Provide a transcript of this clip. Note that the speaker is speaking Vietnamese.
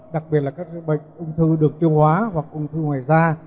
đặc biệt là các bệnh ung thư được tiêu hóa hoặc ung thư ngoài da